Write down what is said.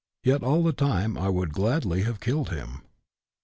Yet all the time I would gladly have killed him.